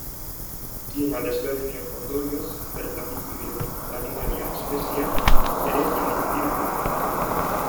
Klima desberdinen ondorioz, bertan bizi diren animalia-espezieak ere anitz dira.